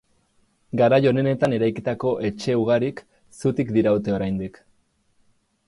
Garai onenetan eraikitako etxe ugarik zutik diraute oraindik.